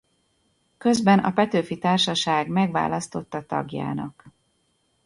Közben a Petőfi Társaság megválasztotta tagjának.